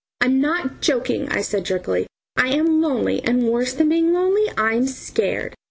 "I'm not joking," I said jerkily; "I am lonely. And worse than being lonely, I'm scared.